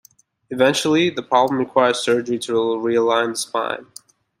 Eventually, the problem requires surgery to realign the spine.